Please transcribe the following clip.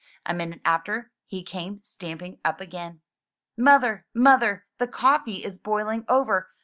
A minute after he came stamping up again. "Mother, Mother! The coffee is boiling over.